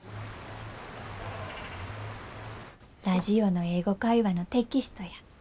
ラジオの「英語会話」のテキストや。